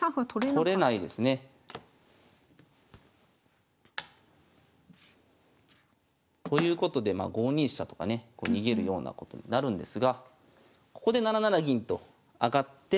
取れないですね。ということでまあ５二飛車とかね逃げるようなことになるんですがここで７七銀と上がって。